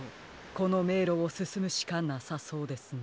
このめいろをすすむしかなさそうですね。